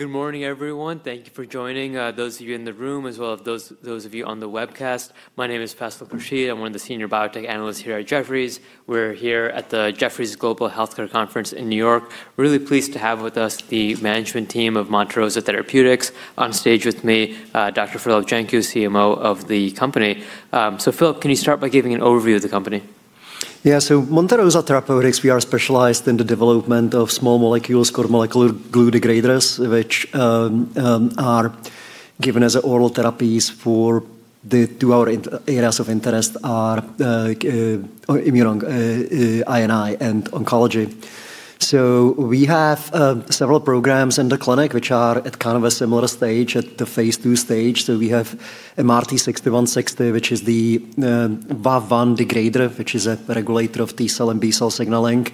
Good morning, everyone. Thank you for joining, those of you in the room as well as those of you on the webcast. My name is Faisal Khurshid. I'm one of the senior biotech analysts here at Jefferies. We're here at the Jefferies Global Healthcare Conference in New York. Really pleased to have with us the management team of Monte Rosa Therapeutics. On stage with me, Dr. Filip Janku, CMO of the company. Filip, can you start by giving an overview of the company? Yeah. Monte Rosa Therapeutics, we are specialized in the development of small molecules called molecular glue degraders, which are given as oral therapies for the two areas of interest are I&I and oncology. We have several programs in the clinic, which are at a similar stage, at the phase II stage. We have MRT-6160, which is the VAV1 degrader, which is a regulator of T-cell and B-cell signaling.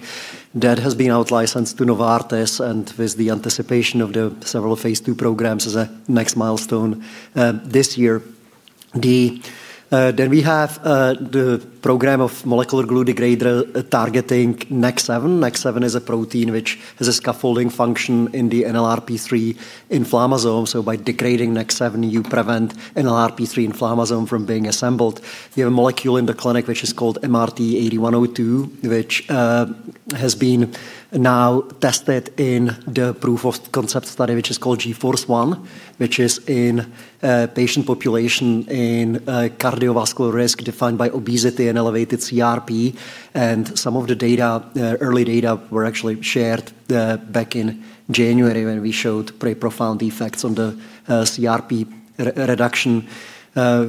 That has been out-licensed to Novartis, with the anticipation of the several phase II programs as a next milestone this year. We have the program of molecular glue degrader targeting NEK7. NEK7 is a protein which has a scaffolding function in the NLRP3 inflammasome. By degrading NEK7, you prevent NLRP3 inflammasome from being assembled. We have a molecule in the clinic, which is called MRT-8102, which has been now tested in the proof of concept study, which is called G-FORCE-1, which is in a patient population in cardiovascular risk defined by obesity and elevated CRP. Some of the early data were actually shared back in January when we showed pretty profound effects on the CRP reduction.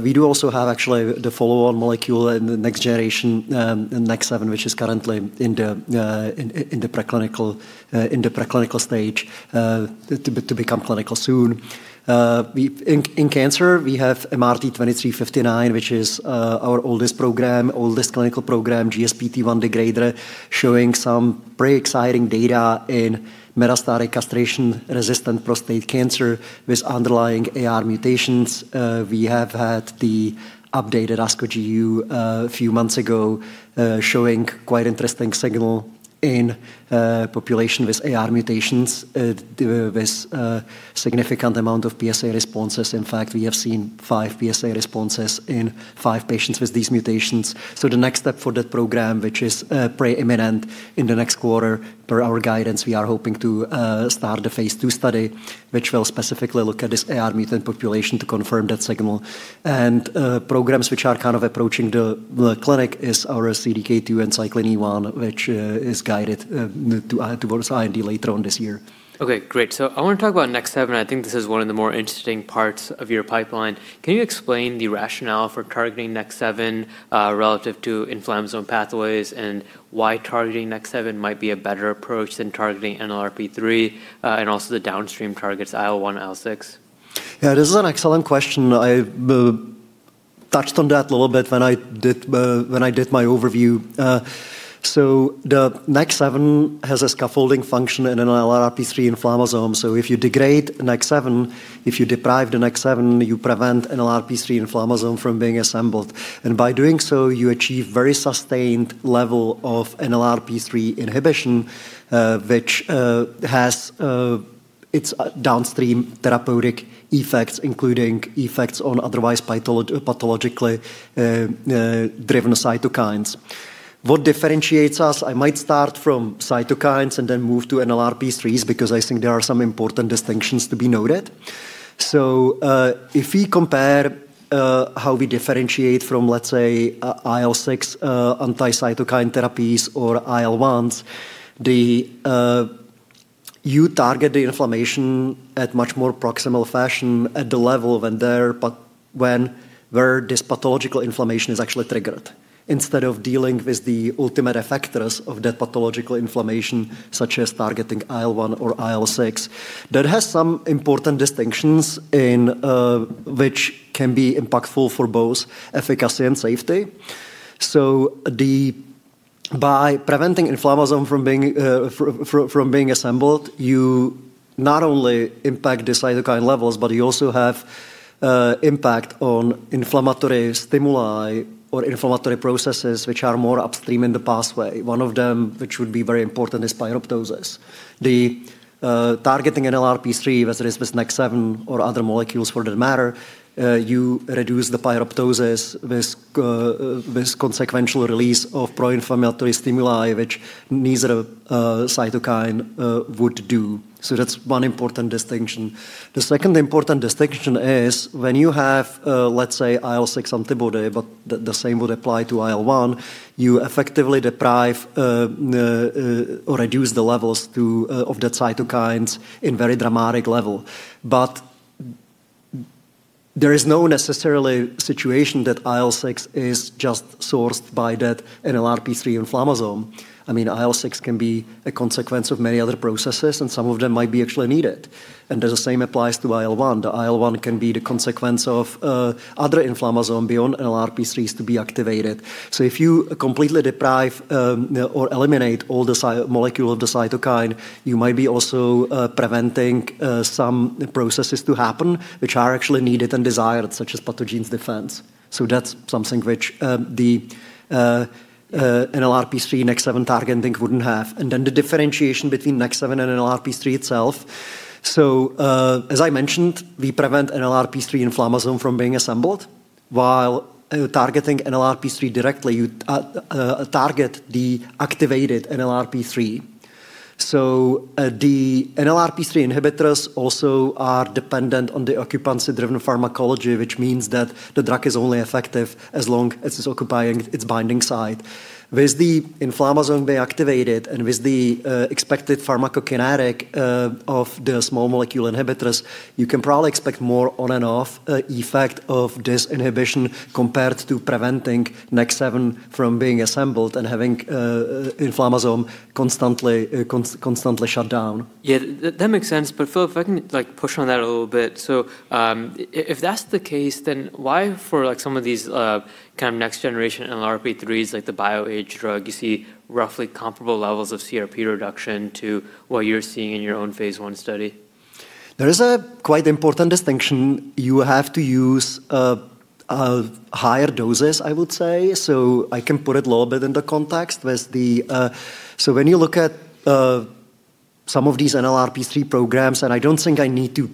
We do also have actually the follow-on molecule in the next generation, in NEK7, which is currently in the preclinical stage to become clinical soon. In cancer, we have MRT-2359, which is our oldest clinical program, GSPT1 degrader, showing some pretty exciting data in metastatic castration-resistant prostate cancer with underlying AR mutations. We have had the updated ASCO GU a few months ago, showing quite interesting signal in population with AR mutations, with significant amount of PSA responses. In fact, we have seen five PSA responses in five patients with these mutations. The next step for that program, which is pretty imminent in the next quarter, per our guidance, we are hoping to start a phase II study, which will specifically look at this AR mutant population to confirm that signal. Programs which are approaching the clinic is our CDK2 and Cyclin E1, which is guided towards IND later on this year. Okay, great. I want to talk about NEK7. I think this is one of the more interesting parts of your pipeline. Can you explain the rationale for targeting NEK7, relative to inflammasome pathways, and why targeting NEK7 might be a better approach than targeting NLRP3, and also the downstream targets, IL-1, IL-6? Yeah, this is an excellent question. I touched on that a little bit when I did my overview. The NEK7 has a scaffolding function in NLRP3 inflammasome. If you degrade NEK7, if you deprive the NEK7, you prevent NLRP3 inflammasome from being assembled. By doing so, you achieve very sustained level of NLRP3 inhibition, which has its downstream therapeutic effects, including effects on otherwise pathologically-driven cytokines. What differentiates us, I might start from cytokines and then move to NLRP3s, because I think there are some important distinctions to be noted. If we compare how we differentiate from, let's say, IL-6 anti-cytokine therapies or IL-1s, you target the inflammation at much more proximal fashion at the level where this pathological inflammation is actually triggered, instead of dealing with the ultimate effectors of that pathological inflammation, such as targeting IL-1 or IL-6. That has some important distinctions which can be impactful for both efficacy and safety. By preventing inflammasome from being assembled, you not only impact the cytokine levels, but you also have impact on inflammatory stimuli or inflammatory processes which are more upstream in the pathway. One of them which would be very important is pyroptosis. Targeting NLRP3, whether it is with NEK7 or other molecules for that matter, you reduce the pyroptosis with consequential release of pro-inflammatory stimuli, which neither cytokine would do. That's one important distinction. The second important distinction is when you have, let's say, IL-6 antibody, but the same would apply to IL-1, you effectively deprive or reduce the levels of that cytokines in very dramatic level. There is no necessarily situation that IL-6 is just sourced by that NLRP3 inflammasome and the IL-6 can be a consequence of many other processes, some of them might be actually needed. The same applies to IL-1. The IL-1 can be the consequence of other inflammasome beyond NLRP3s to be activated. If you completely deprive or eliminate all the molecule of the cytokine, you might be also preventing some processes to happen which are actually needed and desired, such as pathogens defense. That's something which the NLRP3 NEK7 targeting wouldn't have. The differentiation between NEK7 and NLRP3 itself. As I mentioned, we prevent NLRP3 inflammasome from being assembled. While targeting NLRP3 directly, you target the activated NLRP3. The NLRP3 inhibitors also are dependent on the occupancy-driven pharmacology, which means that the drug is only effective as long as it's occupying its binding site. With the inflammasome being activated and with the expected pharmacokinetic of the small molecule inhibitors, you can probably expect more on-and-off effect of this inhibition compared to preventing NEK7 from being assembled and having inflammasome constantly shut down. Yeah, that makes sense. Filip, if I can push on that a little bit. If that's the case, then why for some of these kind of next generation NLRP3s, like the BioAge drug, you see roughly comparable levels of CRP reduction to what you're seeing in your own phase I study? There is a quite important distinction. You have to use higher doses, I would say. I can put it a little bit in the context. When you look at some of these NLRP3 programs, and I don't think I need to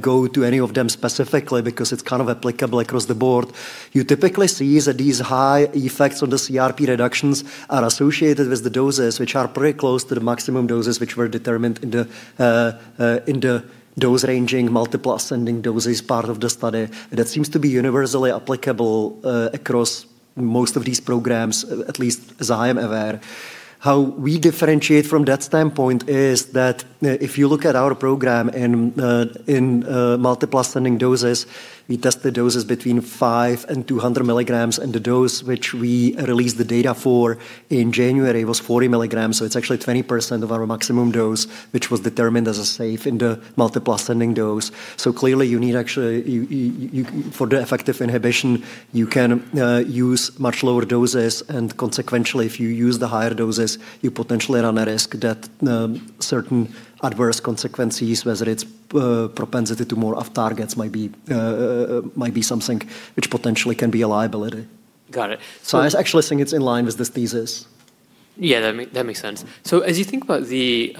go to any of them specifically because it's kind of applicable across the board, you typically see that these high effects on the CRP reductions are associated with the doses, which are pretty close to the maximum doses, which were determined in the dose ranging multiple ascending doses part of the study. That seems to be universally applicable across most of these programs, at least as I am aware. How we differentiate from that standpoint is that if you look at our program in multiple ascending doses, we test the doses between 5 mg and 200 mg, and the dose which we released the data for in January was 40 mg. It's actually 20% of our maximum dose, which was determined as safe in the multiple ascending dose. Clearly, for the effective inhibition, you can use much lower doses, and consequentially, if you use the higher doses, you potentially run a risk that certain adverse consequences, whether it's propensity to more off targets, might be something which potentially can be a liability. Got it. I actually think it's in line with this thesis. Yeah, that makes sense. As you think about this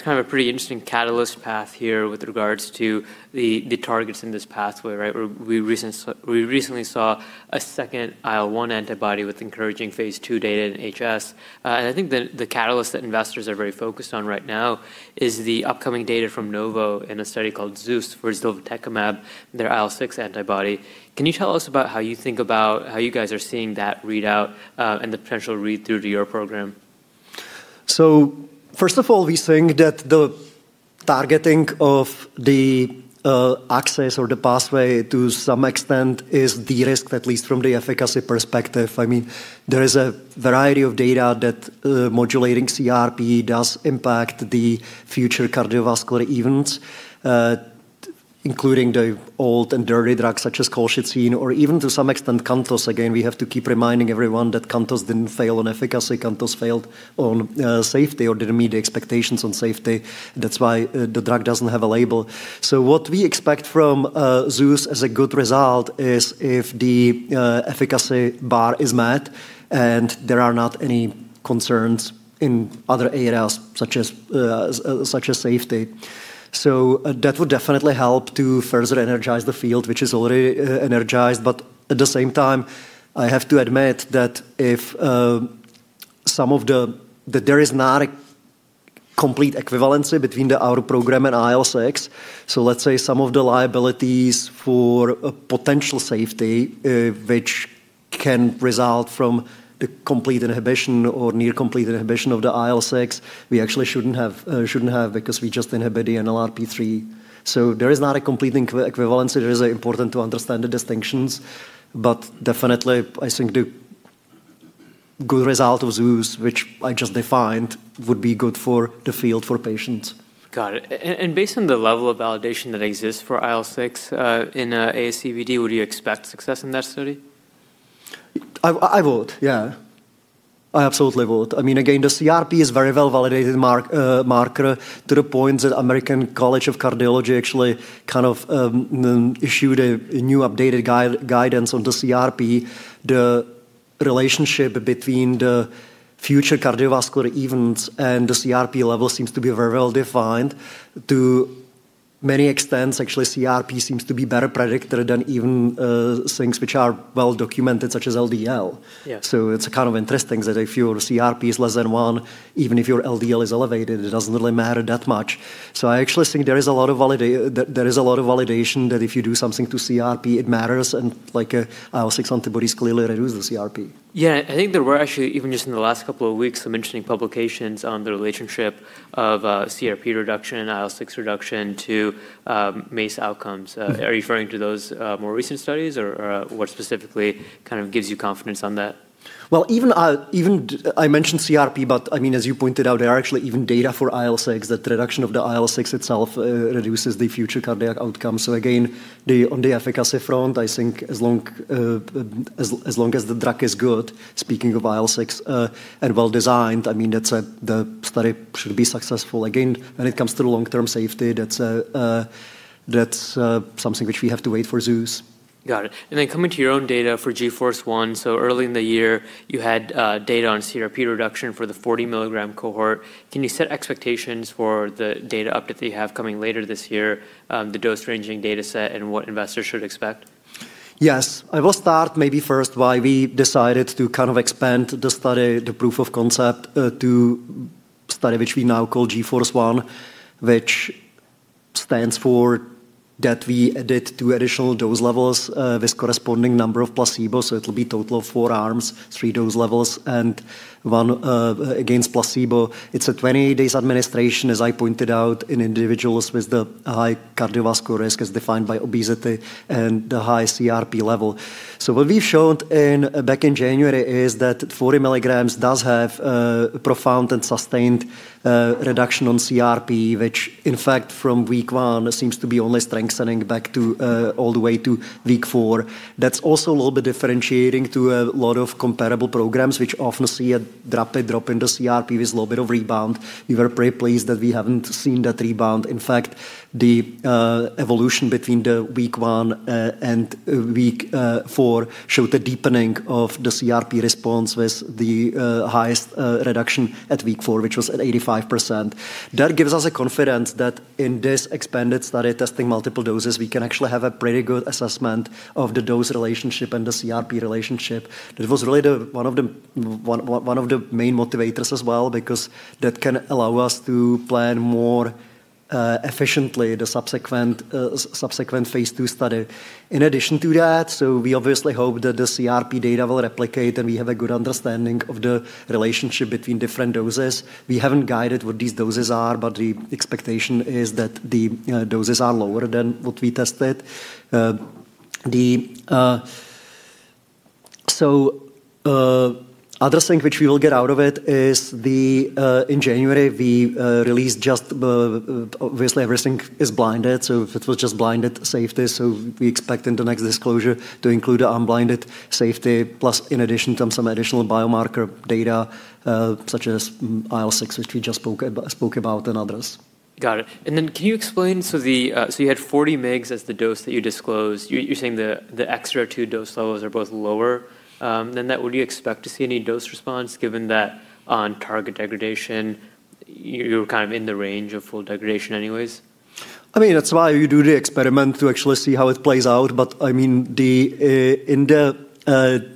kind of pretty interesting catalyst path here with regards to the targets in this pathway, we recently saw a second IL-1 antibody with encouraging phase II data in HS. I think that the catalyst that investors are very focused on right now is the upcoming data from Novo in a study called ZEUS for ziltivekimab, their IL-6 antibody. Can you tell us about how you think about how you guys are seeing that readout, and the potential read-through to your program? First of all, we think that the targeting of the axis or the pathway to some extent is de-risked, at least from the efficacy perspective. There is a variety of data that modulating CRP does impact the future cardiovascular events, including the old and dirty drugs such as colchicine or even to some extent CANTOS. Again, we have to keep reminding everyone that CANTOS didn't fail on efficacy. CANTOS failed on safety or didn't meet the expectations on safety. That's why the drug doesn't have a label. What we expect from ZEUS as a good result is if the efficacy bar is met and there are not any concerns in other areas such as safety, so that would definitely help to further energize the field, which is already energized. At the same time, I have to admit that there is not a complete equivalency between our program and IL-6. Let's say some of the liabilities for potential safety, which can result from the complete inhibition or near complete inhibition of the IL-6, we actually shouldn't have because we just inhibit the NLRP3. There is not a complete equivalence. It is important to understand the distinctions, but definitely, I think the good result of ZEUS, which I just defined, would be good for the field for patients. Got it. Based on the level of validation that exists for IL-6 in ASCVD, would you expect success in that study? I would, yeah. I absolutely would. Again, the CRP is a very well-validated marker to the point that American College of Cardiology actually kind of issued a new updated guidance on the CRP. The relationship between the future cardiovascular events and the CRP level seems to be very well-defined. To many extents, actually, CRP seems to be a better predictor than even things which are well-documented, such as LDL. Yeah. It's kind of interesting that if your CRP is less than one, even if your LDL is elevated, it doesn't really matter that much. I actually think there is a lot of validation that if you do something to CRP, it matters, and IL-6 antibodies clearly reduce the CRP. Yeah, I think there were actually, even just in the last couple of weeks, some interesting publications on the relationship of CRP reduction and IL-6 reduction to MACE outcomes. Are you referring to those more recent studies, or what specifically kind of gives you confidence on that? I mentioned CRP, but as you pointed out, there are actually even data for IL-6 that reduction of the IL-6 itself reduces the future cardiac outcome. Again, on the efficacy front, I think as long as the drug is good, speaking of IL-6, and well-designed, the study should be successful. Again, when it comes to the long-term safety, that's something which we have to wait for ZEUS. Got it. Coming to your own data for G-FORCE-1, early in the year, you had data on CRP reduction for the 40 mg cohort. Can you set expectations for the data up that you have coming later this year, the dose ranging data set, and what investors should expect? Yes. I will start maybe first why we decided to expand the study, the proof of concept to study which we now call G-FORCE-1, which stands for that we added two additional dose levels with corresponding number of placebo. It will be total of four arms, three dose levels, and one against placebo. It's a 28 days administration, as I pointed out, in individuals with the high cardiovascular risk as defined by obesity and the high CRP level. What we've shown back in January is that 40 mg does have a profound and sustained reduction on CRP, which in fact from week one seems to be only strengthening back all the way to week four. That's also a little bit differentiating to a lot of comparable programs, which often see a drop in the CRP with a little bit of rebound. We were pretty pleased that we haven't seen that rebound. In fact, the evolution between the week one and week four showed the deepening of the CRP response with the highest reduction at week four, which was at 85%. That gives us a confidence that in this expanded study testing multiple doses, we can actually have a pretty good assessment of the dose relationship and the CRP relationship. That was really one of the main motivators as well because that can allow us to plan more efficiently the subsequent phase II study. In addition to that, we obviously hope that the CRP data will replicate, and we have a good understanding of the relationship between different doses. We haven't guided what these doses are, but the expectation is that the doses are lower than what we tested. Other thing which we will get out of it is in January, we released obviously everything is blinded, so it was just blinded safety. We expect in the next disclosure to include the unblinded safety plus in addition, some additional biomarker data such as IL-6, which we just spoke about, and others. Got it. Can you explain, you had 40 mgs as the dose that you disclosed. You're saying the extra two dose levels are both lower than that. Would you expect to see any dose response given that on target degradation, you're in the range of full degradation anyways? That's why you do the experiment to actually see how it plays out. In the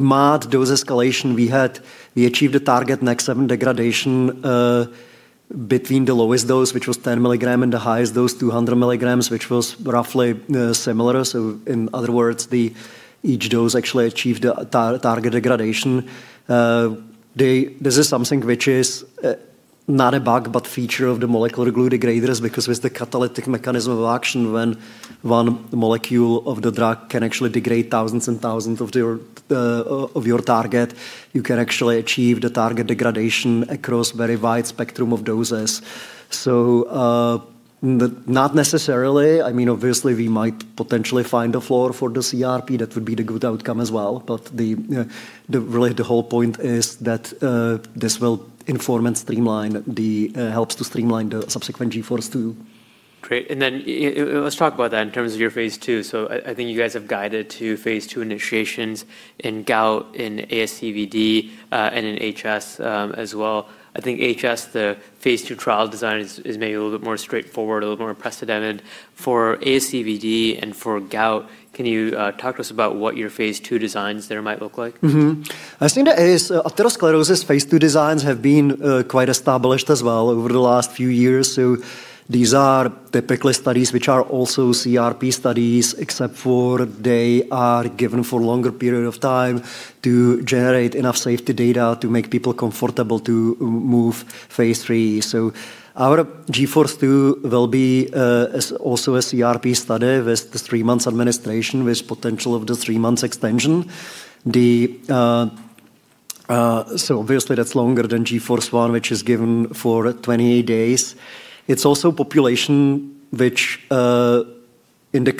MAD dose escalation we had, we achieved a target NEK7 degradation, between the lowest dose, which was 10 mg, and the highest dose, 200 mg, which was roughly similar. In other words, each dose actually achieved the target degradation. This is something which is not a bug, but feature of the molecular glue degraders because with the catalytic mechanism of action, when one molecule of the drug can actually degrade thousands and thousands of your target, you can actually achieve the target degradation across very wide spectrum of doses. Not necessarily. Obviously, we might potentially find a flaw for the CRP. That would be the good outcome as well. Really the whole point is that this will inform and helps to streamline the subsequent G-FORCE-2.. Great. Let's talk about that in terms of your phase II. I think you guys have guided two phase II initiations in gout, in ASCVD, and in HS, as well. I think HS, the phase II trial design is maybe a little bit more straightforward, a little more precedented. For ASCVD and for gout, can you talk to us about what your phase II designs there might look like? I think the atherosclerosis phase II designs have been quite established as well over the last few years. These are typically studies which are also CRP studies, except for they are given for longer period of time to generate enough safety data to make people comfortable to move phase III. Our G-FORCE-2 will be also a CRP study with the three months administration, with potential of the three months extension. Obviously that's longer than G-FORCE-1 which is given for 28 days. It's also population which, in the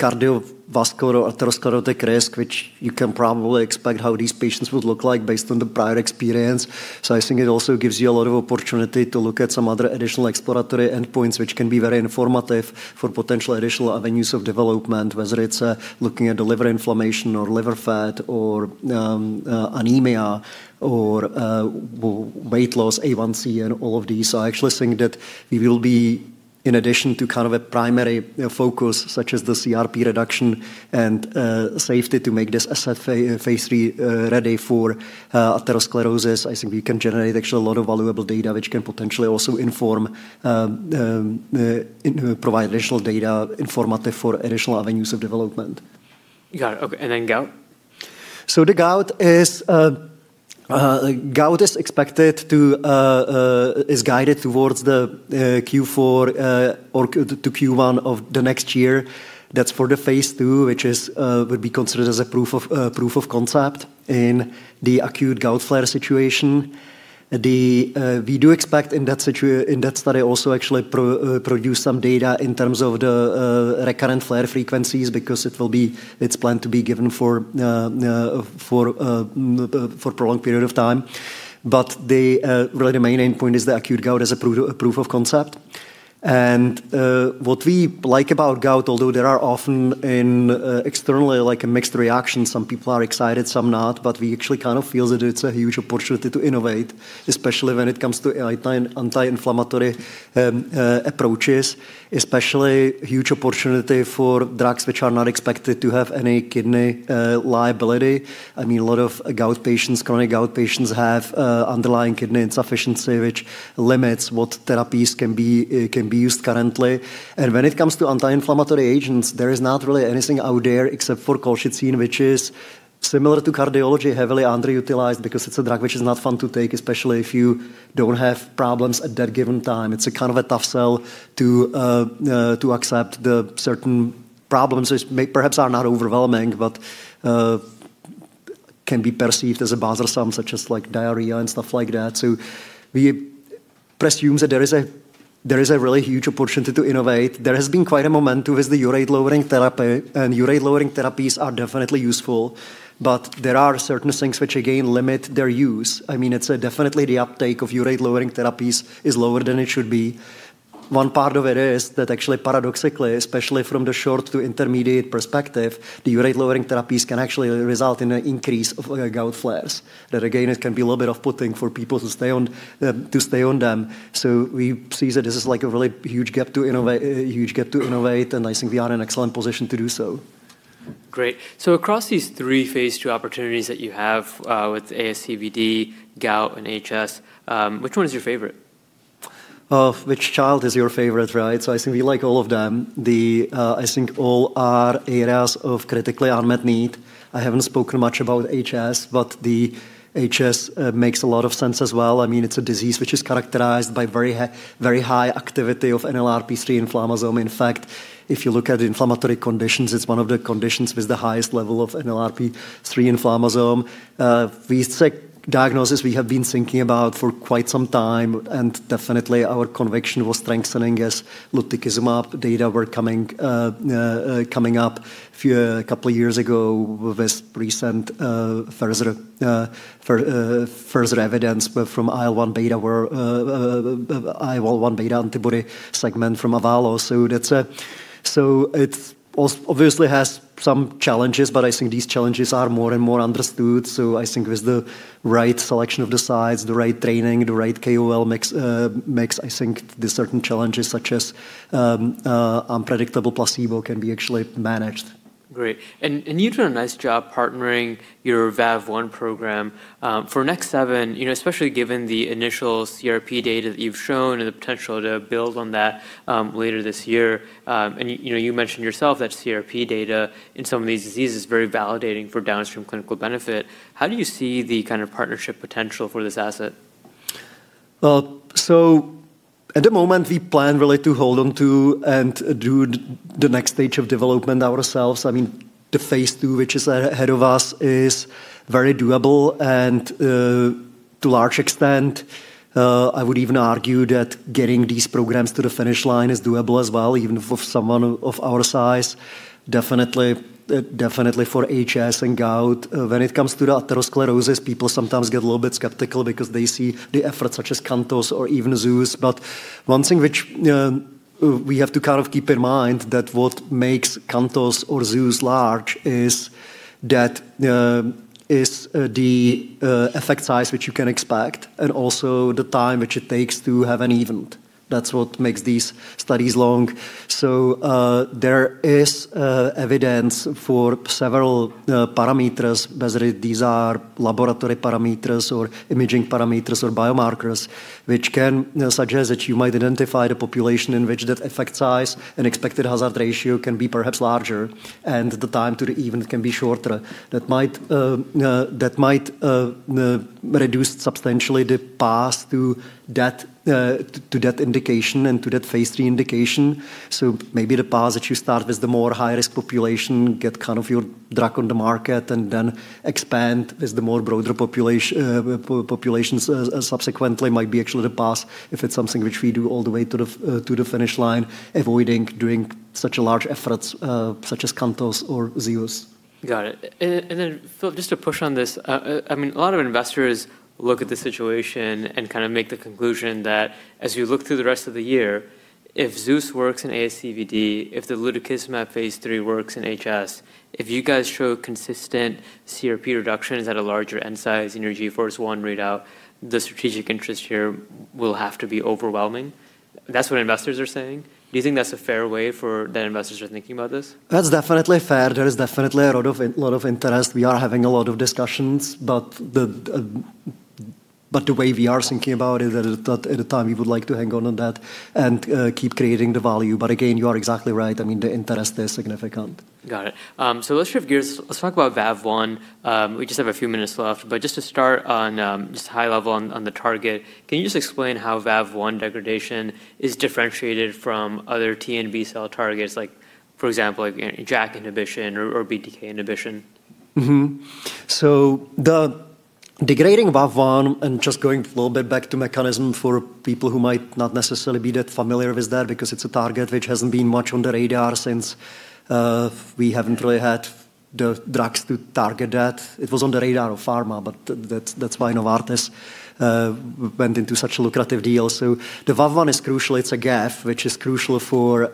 cardiovascular or atherosclerotic risk, which you can probably expect how these patients would look like based on the prior experience. I think it also gives you a lot of opportunity to look at some other additional exploratory endpoints, which can be very informative for potential additional avenues of development, whether it's looking at the liver inflammation or liver fat or anemia or weight loss, A1C and all of these. I actually think that we will be in addition to a primary focus, such as the CRP reduction and safety to make this asset phase III-ready for atherosclerosis. I think we can generate actually a lot of valuable data which can potentially also provide additional data informative for additional avenues of development. Got it. Okay, gout? The gout is guided towards the Q4 or to Q1 of the next year. That's for the phase II, which would be considered as a proof of concept in the acute gout flare situation. We do expect in that study also actually produce some data in terms of the recurrent flare frequencies because it's planned to be given for prolonged period of time. Really the main endpoint is the acute gout as a proof of concept. What we like about gout, although there are often externally mixed reactions, some people are excited, some not, but we actually feel that it's a huge opportunity to innovate, especially when it comes to anti-inflammatory approaches, especially a huge opportunity for drugs which are not expected to have any kidney liability. A lot of gout patients, chronic gout patients, have underlying kidney insufficiency, which limits what therapies can be used currently. When it comes to anti-inflammatory agents, there is not really anything out there except for colchicine, which is similar to cardiology, heavily underutilized because it's a drug which is not fun to take, especially if you don't have problems at that given time. It's a kind of a tough sell to accept the certain problems which perhaps are not overwhelming, but can be perceived as a bothersome, such as diarrhea and stuff like that. We presume that there is a really huge opportunity to innovate. There has been quite a momentum with the urate-lowering therapy, and urate-lowering therapies are definitely useful. There are certain things which, again, limit their use. Definitely the uptake of urate-lowering therapies is lower than it should be. One part of it is that actually, paradoxically, especially from the short to intermediate perspective, the urate-lowering therapies can actually result in an increase of gout flares. Again, it can be a little bit off-putting for people to stay on them. We see that this is a really huge gap to innovate, and I think we are in an excellent position to do so. Great. Across these three phase II opportunities that you have with ASCVD, gout, and HS, which one is your favorite? Which child is your favorite, right? I think we like all of them. I think all are areas of critically unmet need. I haven't spoken much about HS, but the HS makes a lot of sense as well. It's a disease which is characterized by very high activity of NLRP3 inflammasome. In fact, if you look at inflammatory conditions, it's one of the conditions with the highest level of NLRP3 inflammasome. We set diagnosis we have been thinking about for quite some time, and definitely our conviction was strengthening as lutikizumab data were coming up a couple of years ago with recent further evidence from IL-1 beta antibody segment from Avalo. It obviously has some challenges, but I think these challenges are more and more understood. I think with the right selection of the size, the right training, the right KOL makes, I think, the certain challenges, such as unpredictable placebo, can be actually managed. Great. You've done a nice job partnering your VAV1 program. For NEK7, especially given the initial CRP data that you've shown and the potential to build on that later this year, you mentioned yourself that CRP data in some of these diseases is very validating for downstream clinical benefit, how do you see the kind of partnership potential for this asset? At the moment, we plan really to hold on to and do the next stage of development ourselves. The phase II, which is ahead of us, is very doable and to large extent, I would even argue that getting these programs to the finish line is doable as well, even for someone of our size. Definitely for HS and gout. When it comes to the atherosclerosis, people sometimes get a little bit skeptical because they see the efforts such as CANTOS or even ZEUS. One thing which we have to keep in mind that what makes CANTOS or ZEUS large is the effect size which you can expect, and also the time which it takes to have an event. That's what makes these studies long. There is evidence for several parameters, whether these are laboratory parameters or imaging parameters or biomarkers, which can suggest that you might identify the population in which that effect size and expected hazard ratio can be perhaps larger, and the time to the event can be shorter. That might reduce substantially the path to that indication and to that phase III indication. Maybe the path that you start with the more high-risk population, get your drug on the market, and then expand with the more broader populations subsequently might be actually the path if it's something which we do all the way to the finish line, avoiding doing such large efforts such as CANTOS or ZEUS. Filip, just to push on this, a lot of investors look at the situation and make the conclusion that as you look through the rest of the year, if ZEUS works in ASCVD, if the lutikizumab phase III works in HS, if you guys show consistent CRP reductions at a larger N size in your G-FORCE-1 readout, the strategic interest here will have to be overwhelming. That's what investors are saying. Do you think that's a fair way that investors are thinking about this? That's definitely fair. There is definitely a lot of interest. We are having a lot of discussions. The way we are thinking about it is that at the time, we would like to hang on to that and keep creating the value. Again, you are exactly right. The interest is significant. Got it. Let's shift gears. Let's talk about VAV1. We just have a few minutes left, but just to start on just high level on the target, can you just explain how VAV1 degradation is differentiated from other T and B cell targets, for example, like JAK inhibition or BTK inhibition? The degrading VAV1, and just going a little bit back to mechanism for people who might not necessarily be that familiar with that, because it's a target which hasn't been much on the radar since we haven't really had the drugs to target that. It was on the radar of pharma, but that's why Novartis went into such a lucrative deal. The VAV1 is crucial. It's a gap, which is crucial for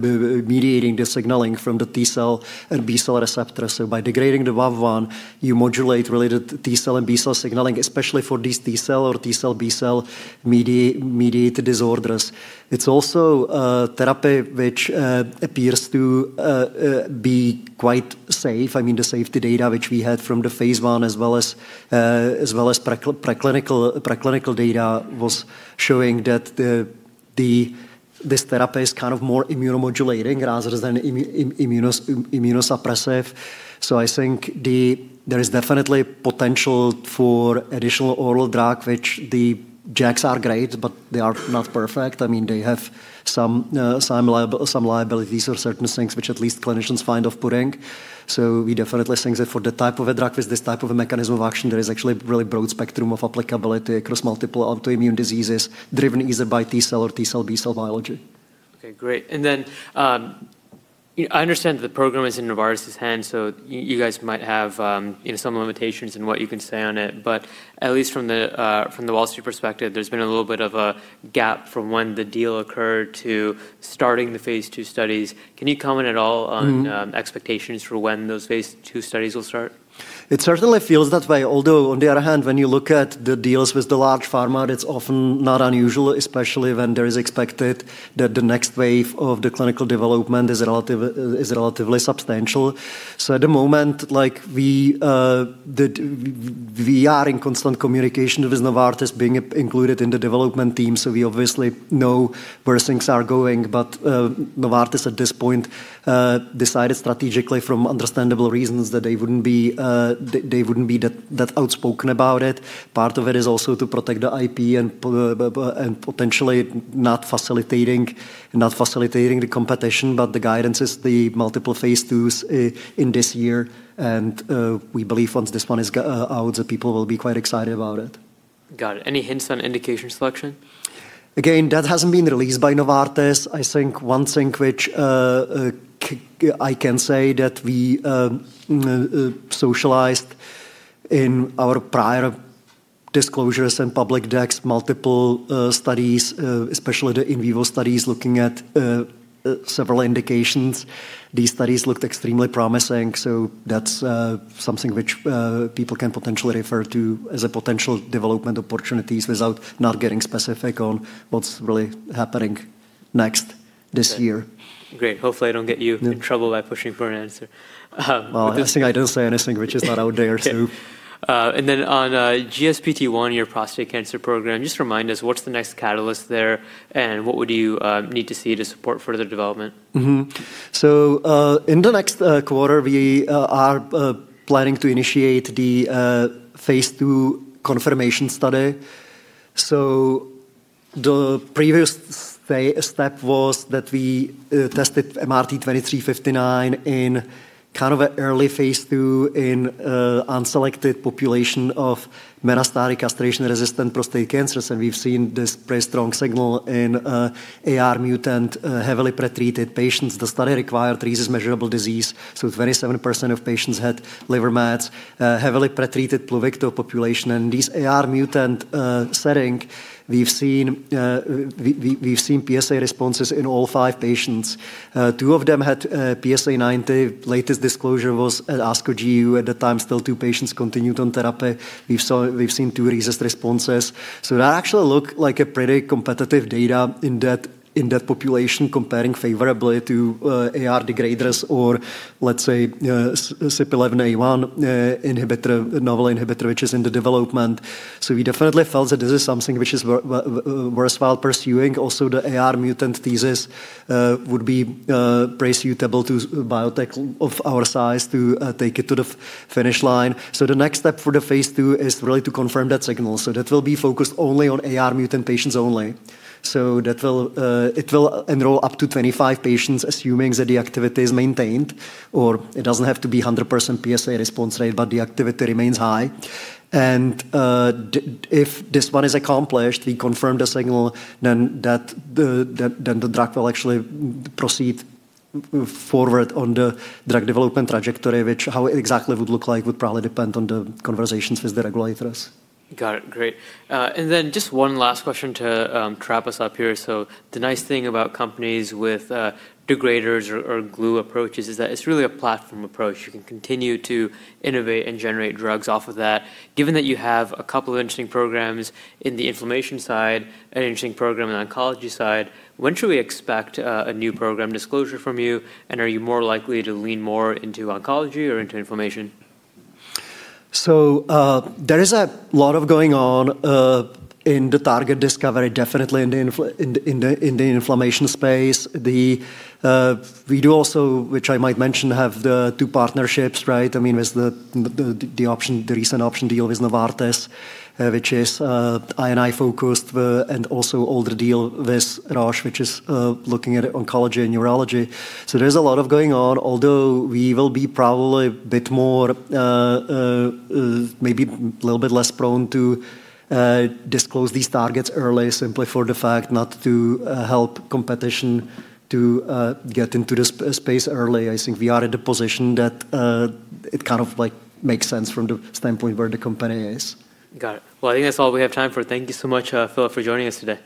mediating the signaling from the T-cell and B-cell receptor. By degrading the VAV1, you modulate related T-cell and B-cell signaling, especially for these T-cell, B-cell mediated disorders. It's also a therapy which appears to be quite safe. The safety data which we had from the phase I, as well as preclinical data, was showing that this therapy is more immunomodulating rather than immunosuppressive. I think there is definitely potential for additional oral drug, which the JAKs are great, but they are not perfect. They have some liabilities or certain things which at least clinicians find off-putting. We definitely think that for the type of a drug with this type of a mechanism of action, there is actually a really broad spectrum of applicability across multiple autoimmune diseases driven either by T-cell or T-cell, B-cell biology. Okay, great. I understand the program is in Novartis' hands, so you guys might have some limitations in what you can say on it. At least from the Wall Street perspective, there's been a little bit of a gap from when the deal occurred to starting the phase II studies. Can you comment at all on expectations for when those phase II studies will start? It certainly feels that way, although on the other hand, when you look at the deals with the large pharma, it's often not unusual, especially when there is expected that the next wave of the clinical development is relatively substantial. At the moment, we are in constant communication with Novartis being included in the development team, so we obviously know where things are going. Novartis at this point decided strategically from understandable reasons that they wouldn't be that outspoken about it. Part of it is also to protect the IP and potentially not facilitating the competition. The guidance is the multiple phase IIs in this year and we believe once this one is out, people will be quite excited about it. Got it. Any hints on indication selection? Again, that hasn't been released by Novartis. I think one thing which I can say that we socialized in our prior disclosures and public decks, multiple studies, especially the in vivo studies looking at several indications. These studies looked extremely promising, so that's something which people can potentially refer to as a potential development opportunities without not getting specific on what's really happening next this year. Great. Hopefully, I don't get you in trouble by pushing for an answer. Well, I think I didn't say anything which is not out there. On GSPT1, your prostate cancer program, just remind us what's the next catalyst there, and what would you need to see to support further development? In the next quarter, we are planning to initiate the phase II confirmation study. The previous step was that we tested MRT-2359 in kind of an early phase II in an unselected population of metastatic castration-resistant prostate cancers, and we've seen this pretty strong signal in AR mutant heavily pretreated patients. The study required RECIST measurable disease, so 27% of patients had liver mets, heavily pretreated selective population. These AR mutant setting, we've seen PSA responses in all five patients. Two of them had PSA 90. Latest disclosure was at ASCO GU. At the time, still two patients continued on therapy. We've seen two RECIST responses. That actually look like a pretty competitive data in that population comparing favorably to AR degraders or let's say, CYP11A1 novel inhibitor, which is in the development. We definitely felt that this is something which is worthwhile pursuing. The AR mutant thesis would be pretty suitable to biotech of our size to take it to the finish line. The next step for the phase II is really to confirm that signal. That will be focused only on AR mutant patients only. It will enroll up to 25 patients, assuming that the activity is maintained, or it doesn't have to be 100% PSA response rate, but the activity remains high. If this one is accomplished, we confirm the signal, the drug will actually proceed forward on the drug development trajectory, which how it exactly would look like would probably depend on the conversations with the regulators. Got it. Great. Then just one last question to wrap us up here. The nice thing about companies with degraders or glue approaches is that it's really a platform approach. You can continue to innovate and generate drugs off of that. Given that you have a couple of interesting programs in the inflammation side and an interesting program in the oncology side, when should we expect a new program disclosure from you? Are you more likely to lean more into oncology or into inflammation? There is a lot going on in the target discovery, definitely in the inflammation space. We do also, which I might mention, have the two partnerships, right? I mean, with the recent option deal with Novartis, which is I&I-focused, and also older deal with Roche, which is looking at oncology and neurology. There's a lot going on. Although we will be probably maybe a little bit less prone to disclose these targets early simply for the fact not to help competition to get into the space early. I think we are in the position that it kind of makes sense from the standpoint where the company is. Got it. Well, I think that's all we have time for. Thank you so much, Filip, for joining us today.